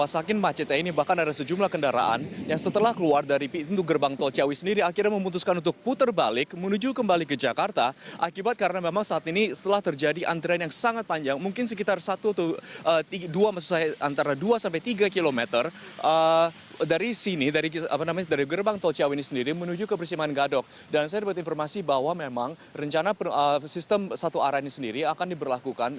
satu arah ini sendiri akan diberlakukan